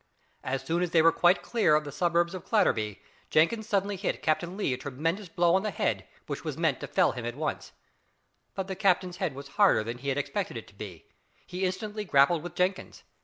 As soon as they were quite clear of the suburbs of Clatterby, Jenkins suddenly hit Captain Lee a tremendous blow on the head, which was meant to fell him at once; but the captain's head was harder than he had expected it to be; he instantly grappled with Jenkins.